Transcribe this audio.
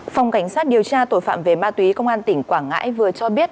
phòng cảnh sát điều tra tội phạm về ma túy công an tỉnh quảng ngãi vừa cho biết